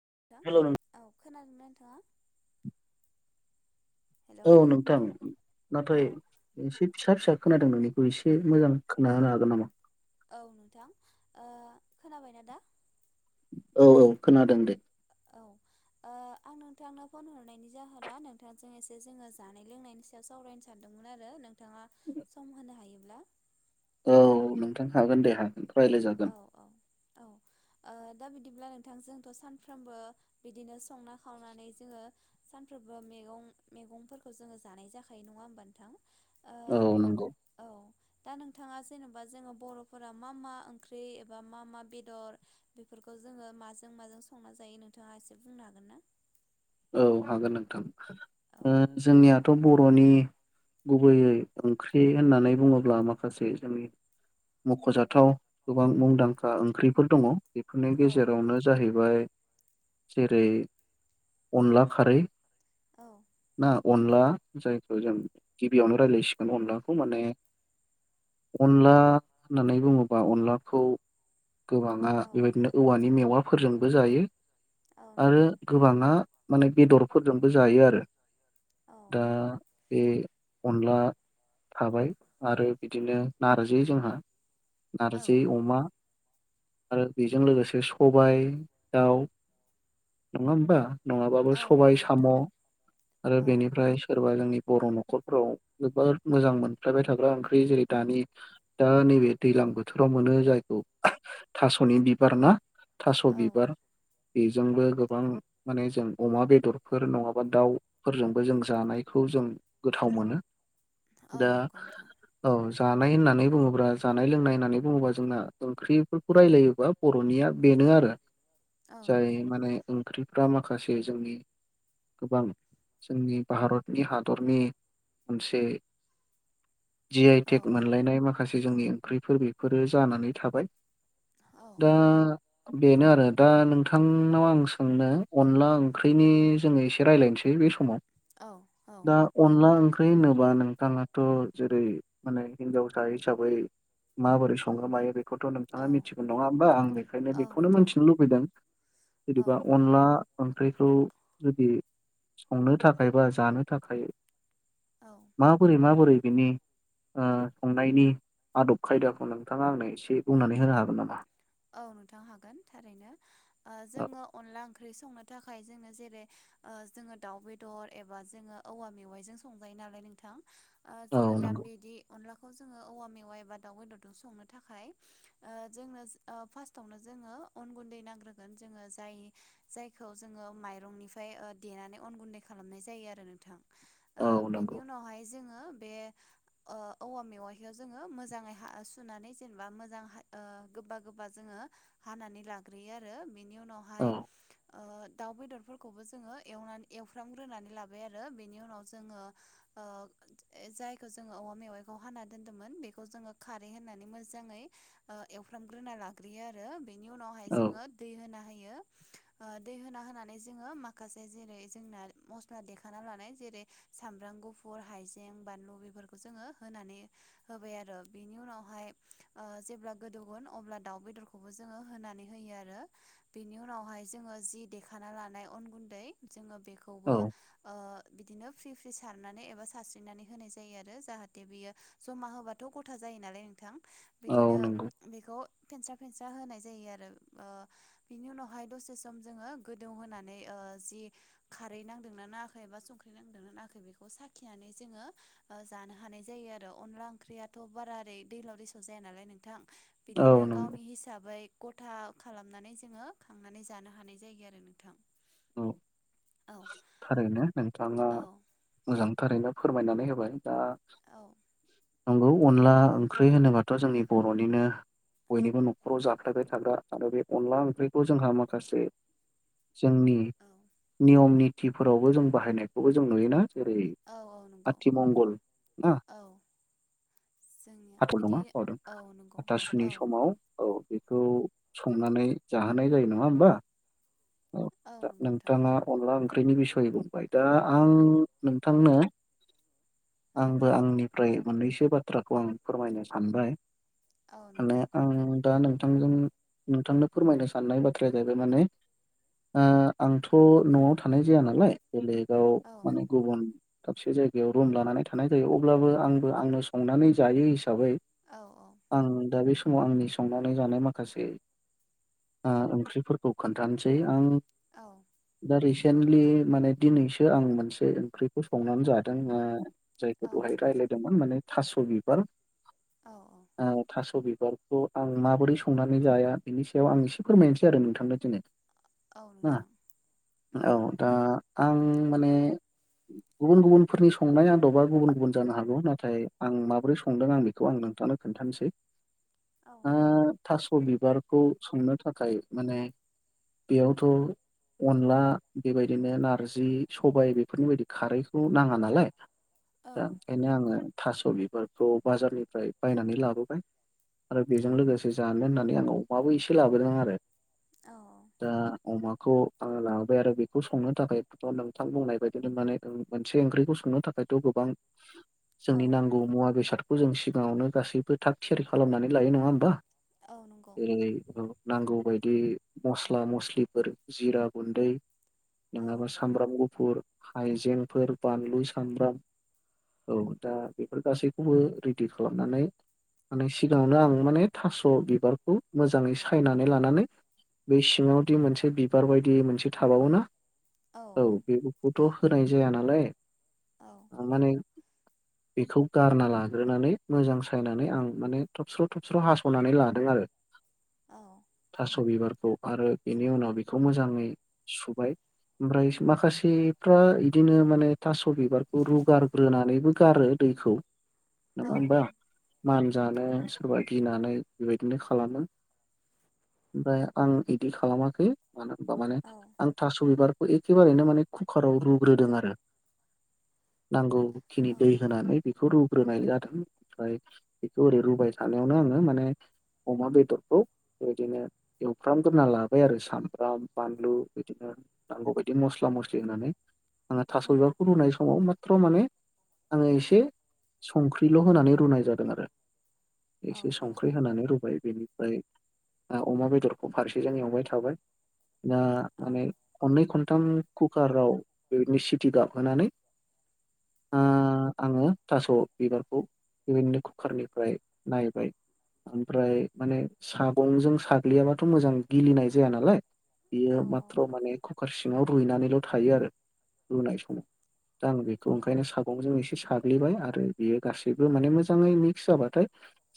नोंथां हेल' नों औ खोनादोंनाा नोंथाङा? हेलौ औ नोंथां औ नाथाय एसे फिसा फिसा खोनादों नोंनिखौ एसे मोजां खोना होनो हागोन नामा? औ नोंथांओ खोनाबायनाा दा? औ औ खोनादों दे। औ ओ। आं नोंथांनो फन हरनायनि जाहोना नोंथांजों एसे जोङो जानाय लोंनायनि सायाव सावरायनो सानदोंमोन आरो नोंथ। नोंथाङा सम होनो हायोब्ला। औ नोंथां हागोन दे हागोन रायज्लाय औ जागोन। औ औ ओ दा बिदिब्ला नोंथांजोंथ' सानफ्रोमबो बिदिनो संना खावनानै जोङो सानफ्रोम बो मैगं मैगंफोरखौ जोङो जानाय जाखायो नङा होमब नोंथां‌? औ नंगौ। दा नोंथाङा जेनेबा जोङो बर'फोरा मा मा ं ओंख्रि एबा मा मा बेदर बेफोरखौ जोङो माजों माजों संना जायो नोंथाङा एसे बुंनो हागोन? ना? औ हागोन नोंथां औ ओम! जोंनिया दाथ' बर'नि गुबैयै ओंख्रि होननानै बुङोब्ला माखासे जोंनि मख'जाथाव गोबां मुंदांखा ओंख्रिफोर दङ। बेफोरनि औ गेजेरावनो जाहैबाय जेरै अनला खारै। औ ना अन ला जायखौ जों गिबियावनो रायजलायसिगोन अनलाखौ माने अनला होननानै बुङोब्ला अनलाखौ गोबाङा औ बेबायदिनो औवानि मेवाफोरजोंबो जायो। औ आरो नंगौ गोबाङा माने बेदरफोरजोंबो जायो आरो। औ दा औ बे अनला थाबाय आरो बिदिनो नार्जि जोंहा औ नार्जि अमा आरो बेजों लोगोसे सबाय दाउ। नङा होमबा? नङाबाबो औ सबाय नंगौ साम' नोंथां आरो औ बेनिफ्राय सोरबा जोंनि बर' नख'रफोराव जोबोर मोजां मोनफ्लेबाय थाग्रा ओंख्रि जेरै दानि दा नैबे दैलां बोथोराव मोनो जायखौ थास'नि बिबार ना। थास' औ बिबार बेजोंबो गोबां माने जों अमा बेदरफोर नङाबा दाउफोरजोंबो जों जानायखौ जों गोथाव मोनो। औ दा नंगौ नोंथां औ जानाय होननानै बुङोब्ला जानाय लोंनाय होननानै बुङोबा जोंना ओंख्रिफोरखौ रायलायोबा बर' निया बेनो औ आरो। औ जाय नंगौ माने ओंख्रिफ्रा माखासे जोंनि गोबां जोंनि भारतनि हादरनि मोनसे जि आइ औ टेक मोनलायनाय माखासे जोंनि ओंख्रिफोर बेफोरो जानानै थाबाय। औ दा बेनो आरो दा नोंथांनाव आं सोंनो अनला ओंख्रिनि जोङो एसे रायजलायनोसै बे समाव। औ औ दा अनला ओं ख्रै होनोब्ला नोंथाङाथ' जेरै माने हिनजावसा हिसाबै माबोरै संङो मायो बेखौथ' औ नोंथाङा मिथिगोन नङा होमबा? आं बेखायनो औ बेखौनो नोंथां मिथिनो लुबैदों। औ जेनेबा अनला ओंख्रिखौ जुदि संनो थाखाय बा जानो थाखाय औ माबोरै माबोरै बिनि ओ संनायनि आदब खायदाखौ नोंथाङा आंनो एसे बुंनानै होनो हागोन नामा? औ नोंथां हागोन थारैनो। औ जोङो अनला ओंख्रि संनो थाखाय जोंङो जेरै जोङो दाउ बेदर एबा जोङो औवा मेवाइजों संजायो नालाय नोंथां। ओ औ जोङो दा नंगौ बिदि अनला खौ जोङो औवा मेवाय एबा दाउ बेदरजों संनो थाखाय ओ जोंनो ओ फार्स्टावनो जोङो अन गुन्दै नांग्रोगोन श। जोङो जाय जायखौ जोङो माइरंनिफ्राय ओ देनानै अन गुन्दै खालामनाय जायो आरो नोंथां। ओ औ नंगौ बेनि उनाव जो ङो बे ओ औवा मेवायखौ जोङो मोजाङै सुनानै जेनेबा मोजां गोबा गोबा जोङो हानानै लाग्रोयो आरो बेनि औ उनावहाय ओ दाउ बेदरफोरखौबो जोङो एवनानै एवफ्रामग्रोनानै लाबाय आरो बेनि उनाव जोङो ओ जायखौ जोङो औवा मेवाइखौ हाना दोन्दोंमोन बेखौ जोङो खारै होननानै मोजाङै ओ एवफ्राम ग्रोना लाग्रोयो आरो बेनि उनावहाय औ जोङो दै होना होयो। ओ दै होना होनानै जोङो माखासे जेरै जोंना मस्ला देखाना लानाय जेरै साम ब्राम गुफुर हाइजें बानलु बेफोरखौ जोङो होनानै होबाय आरो। बेनि उनावहाय ओ जेब्ला गोदौ गोन अब्ला दाउ बेदरखौबो जोङो होनानै होयो आरो। बेनि उनावहाय जोङो जि देखानानै ला नाय अन गुन्दै जोङो बिखौबो औ ओ बिदिनो फ्रि फ्रि सारनानै एबा सारस्रिनानै होनाय जायो आरो जाहाथे बियो जमा होबाथ' गथा जायो नालाय नोंथां। औ बिदिनो नोंगौ। बेखौ फेनस्रा फेनस्रा होनाय जायो आरो। ओ बिनि उनावहाय दसे सम जोङो गोदौ होनानै ओ जि खारै नांदोंना नाङाखै एबा संख्रि नांदोंना नाङाखै बेखौ साखिनानै जोङो ओ जानो हानाय जायो आरो अनला ओंख्रियाथ' बारा ओरै दैलाव दैसाव जाया नालाय नोंथां। औ बिदिनो नंगौ गावनि हिसाबै गथा खालामनानै जोङो खांनानै जानो हानाय जायो आरो नोंथां। औ औ थारैनो नोंथाङा औ मोजांथारैनो फोरमायनानै होबाय दा औ नोंगौ अनला ओंख्रि होनोबाथ' जोंनि बर'निनो बयनिबो न'खराव जाफ्लेयबाय थाग्रा आरो बे अनला ओंख्रिखौ जोंहा माखासे जोंनि औ नियमनि निथिफोरावबो जों बाहायनायखौ जों नुयोना जेरै औ औ नंगौ आथिमंगल ना औ जोंनिया हाथल बिदि नङा बावदों औ नंगौ हाथासुनि औ समाव औ बेखौ संनानै जाहोनाय जायो नङा होमबा? औ नंगौ नोंथां नोंथाङा अनला ओं ओंख्रिनि बिसयै बुंबाय दा आं नोंथांनो औ आंबो आंनि फ्राय मोननैसो बाथ्राखौ आं फोरमायनो सानबाय औ माने नोंथां आं दा नों थांजों नोंथांनो फोरमायनो साननाय बाथ्राया जाहैबाय माने आ आंथ' न'आव थानाय जायानालाय बेलेगाव औ माने गुबुन दाबसे जायगायाव रुम लानानै थानाय जायो अब्लाबो आंबो आंनो संनानै जायो। हिसाबै औ आं दा बे सम समाव आंनि संनानै जानाय माखासे ओ ओंख्रिफोरखौ खोन्थानोसै आं औ। दा रिसेन्टलि माने दिनैसो आं मोनसे ओंख्रिखौ संनानै जादों ओ जायखौ औ दहाय रायज्लायदोंमोन माने थास' बिबार औ औ ओ थास' बिब बारखौ आं माबोरै संनानै जाया बेनि सायाव आं एसे फोरमायनोसै आरो नोंथांनो दिनै औ नोंथां औ दा आं माने गुबुन गुबुनफोरनि संनाय आदबा गुबुन गुबुन जानो हागौ नाथाय आं माबोरै संदों आं बे खौ आं नोंथांनो खोन्थानोसै औ ओ थास' बिबारखौ संनो थाखाय माने बेयावथ' अनला बेबायदिनो नारजि सबाय बेफोरनि बायदि खारैखौ नाङा नालाय औ दा ओंखायनो आंङो थास' बिबारखौ बाजारनि फ्राय बायनानै लाबोबाय आरो औ बेजों लोगोसे जानो होननानै आं अमाबो एसे लाबोदों आरो। औ दा अमाखौ आं लाबोबाय आरो बेखौ संनो थाखायथ' नोंथां बुंनाय बायदिनो माने मोनसे ओंख्रिखौ संनो थाखायथ'गो बां औ जोंनि नांगौ मुवा बेसादखौ जों सिगाङावनो गासैबो थाग थियारि खालामनानै लायो नङा होमबा? औ नंगौ जेरै नांगौ बायदि दि मस्ला मस्लिफोर जिरा गुन्दै औ नङाबा सामब्राम गुफुर हायजेंफोर बानलु सामब्राम औ दा बेफोर गासैखौबो रेदि खालामनानै माने सिगाङावनो आं माने थास' बिबारखौ मोजाङै सायनानै लानानै बै सिङावदि मोनसे बिबार बायदि मोनसे थाबावोना औ बेफोरखौथ' होनाय जायानाला औ थांनानै बेखौ गारना ला ग्रोनानै मोजां सायनानै आं माने थबस्र' थबस्र' हास'नानै लादों आरो। औ थास' बिबारखौ आरो एनि उनाव बेखौ मोजाङै सुबाय। ओमफ्राय माखासेफ्रा इदिनो माने थास' बिबारखौ रुगारग्रोनानैबो गारो। दैखौ औ नंङा होनबा मान जानो सोरबा गिनानै बेबायदिनो खालामो। ओमफ्राय आं इदि खालामाखै मानो होनबा माने औ आं थास' बिबार एखेबारैनो माने कुकाराव रुग्रोदों आरो नांगौ खिनि दै होनानै बेखौ रु रुनाय जादों ओमफ्राय बेखौ ओरै रुबाय थानायावनो आङो माने अमा बेदरखौ बेबायदिनो एवफ्रामग्रोना लाबाय आरो सामब्राम बानलु बिदिनो नांगौ बायदि मस्ला मस्लि होननानै आङो औ थास' बिबारखौ रुनाय समाव माथ्र माने आङो एसे संख्रिल' होनानै रुनाय जादों आरो औ एसे औ औ संख्रि होनानै रुबाय बेनि ओमफ्राय ना अमा बेदरखौ फारसेजों एवबाय थाबाय। दा माने खननै खन थाम कुकाराव बेबादिनो सिटि गाबहोनानै आ आङो थास' बिबारखौ बिबादिनो कुकारनिफ्राय नायबाय। ओमफ्राय माने सागंजों साग्लियाबाथ' मोजां गिलिनाय जाया नालाय बियो माथ्र' माने कुकार सिङाव रुइनानैल' थायो आरो रुनाय समाव। दा आं बेखौ ओंखायनो सागंजों एसे साग्लिबाय आरो बियो गासैबो माने मोजाङै मिक्स जाबाथाय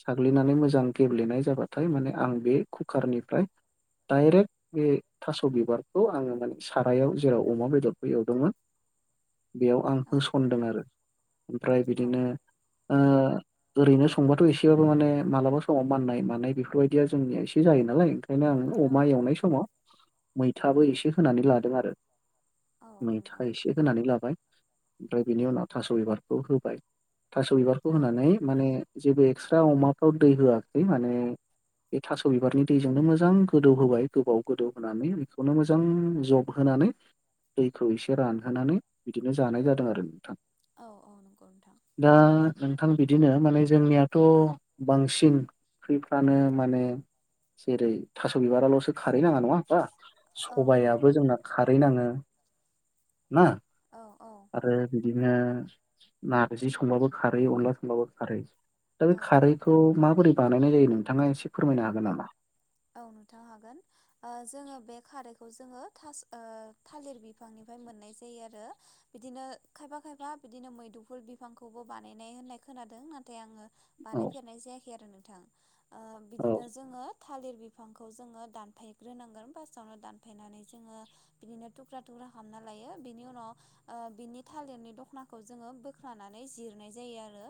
साग्लिनानै मोजां गेब्लेनाय जाबाथाय माने आं बे कुकारनिफ्राय डाइरेक्ट बे थास' बिबारखौ आङो माने सारायाव जेराव अमा बेदरखौ एवदोंमोन [inaudible] बेयाव आं औ होसनदों आरो ओमफ्राय औ बिदिनो ओं ओरैनो संबाथ' एसेबाबो माने मालाबा समाव माननाय मानाय बेफोरबायदिया जोंनिया एसे जायो नालाय ओंखायनो आङो औ अमा एवनाय समाव मैथाबो एसे होनानै लादों आरो। औ मैथा नंगौ एसे होनानै लाबाय ओमफ्राय बिनि उनाव थास' बिबारखौ होबाय। थास' बिबारखौ औ होनानै माने जेबो एक्सट्रा अमाफ्राव दै होआखै माने बे थास' बिबारनि दैजोंनो मोजां गोदौ होबाय गोबाव गोदौ होनानै बेखौनो मोजां जब होना नानै दैखौ एसे रानहोनानै बिदिनो जानाय जादों आरो नोंथां। औ औ नंगौ। नोंथां दा नोंथां बिदिनो माने जोंनियाथ' बांसिन ओंख्रिफ्रानो माने जेरै थास' बिबारावल'सो खारै नाङा नङा होनबा? औ नंगौ सबाइयाबो जोंना खारै नाङो ना औ औ आरो बिदिनो नारजि संबाबो खारै अनला संबाबो खारै दा बे औ खारैखौ माबोरै बानायनाय जायो नोंथाङा एसे फोरमायनो हागोन नामा? औ नोंथां हागोन ओ जोङो बे खारैखौ जोङो थास ओ थालिर बिफांनि फाय मोननाय जायो आरो बिदिनो खायफा खायफा बिदिनो मैदुफुल बिफांखौबो बानायनाय होननाय खोनादों नाथाय आङो औ बानायफेरनाय जायाखै आरो नोंथां ओ औ बिदिनो जोङो थालिर बिफांखौ जोङो दानफायग्रोनांगोन फास्टावनो दानफायनानै जोङो बिदिनो थुख्रा थुख्रा खालामना लायो बिनि उनाव ओ बिनि थालिरनि दखनाखौ जोङो बोख्लानानै जिरनाय जायो आरो।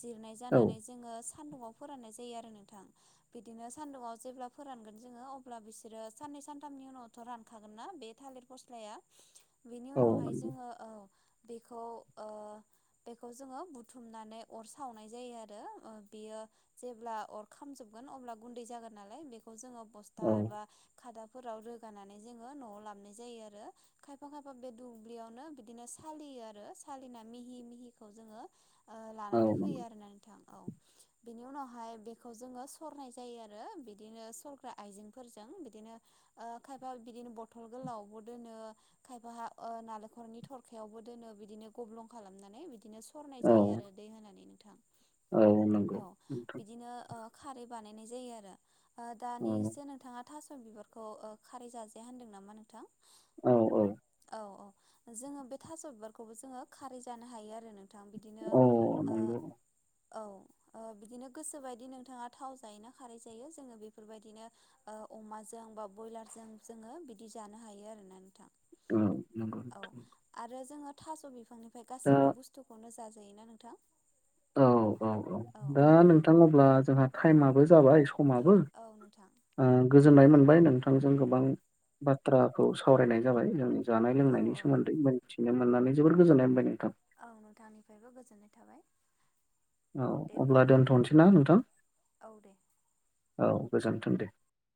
जिरनाय औ जानानै जोङो सान्दुंङाव फोराननाय जायो आरो नोंथां बिदिनो सान्दुङाव जेब्ला फोरानगोन जोङो अब्ला बिसोरो साननै सानथामनि उनावथ' रानखागोन ना बे थालिर फस्लाया बेनि औ उनावहाय नंगौ जोङो औ बेखौ ओ बेखौ जोङो बुथुमनानै अर सावनाय जायो आरो ओ बेयो जेब्ला अर खामजोब गोन अब्ला गुन्दै जागोन नालाय बेखौ जोङो बस्था औ एबा खादाफोराव रोगानानै जोङो न'आव लाबोनाय जायो आरो खायफा खायफा बे दुब्लियावनो बिदिनो सालियो आरो सालिनानै मिहि मिहिखौ जोङो ओ औ लानानै फैयो नंगौ आरोना नोंथां औ बिनि उनावहाय बेखौ जोङो सरनाय जायो आरो। बिदिनो सरग्रा आइजेंफोरजों बिदिनो ओ खायफा बिदिनो बथल गोलावावबो दोनो ओ खायफाहा ओ नालेखरनि थरखायावबो दोनो बिदिनो गब्लं खालामनानै बिदिनो सरनाय जायो आरो दै होनानै नोंथां। औ औ नोंगौ नोंथां। बिदिनो ओ खारै बानायनाय जायो आरो ओ औ दानिसो नोंथाङा थास' बिबारखौ ओ खारै जाजाया होनदों नामा नोंथां? औ औ। औ औ जोङो बे थास' बिबारखौबो जोङो खारै जानो हायो आरो नों थां बिदिनो औ ओ नंगौ औ ओ बिदिनो गोसोबायदि नोंथाङा थाव जायोना। खारै जायो जोङो बेफोरबायदिनो ओ अमाजों बा बयलारजों जोङो बिदि जानो हायो आरो ना नोंथां। औ नोंगौ नोंथां नोंगौ। थाज' बिफांनिफाय गासैबो बुस्थुखौनो जाजायोना नोंथां। औ औ औ दा नोंथां अब्ला जोंहा टाइमाबो जाबाय समाबो औ नोंथां ओ गोजोननाय मोन बाय नोंथांजों गोबां बाथ्राखौ सावरायनाय जाबाय जोंनि जानाय औ लोंनायनि औ सोमोन्दै मोन्थि नो मोननानै जोबोर गोजोननाय मोनबाय नोंथां। औ नोंथांनिफायबो गोजोननाय थाबाय। औ दे अब्ला बिदिब्ला नोंथां दोनथ'सैना नोंथां औ दे औ गोजोन थों दे।